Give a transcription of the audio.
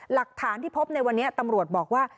หลักฐานที่พบในวันนี้ตำรวจบอกว่า